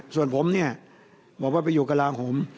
ส่วนผมบอกว่าไปอยู่กระลางห่ม